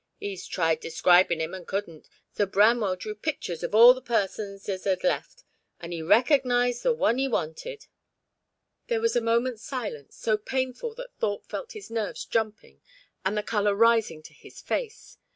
'Ee tried describin' 'im, and couldn't, so Branwell drew pictures of all the persons as 'ad left, and 'ee recog_nised_ the one as 'ee wanted." There was a moment's silence, so painful that Thorpe felt his nerves jumping and the colour rising to his face.